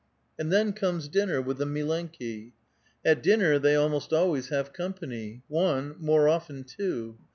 And then comes dinner with the milenki. At dinner they almost always have company ; one, more often two.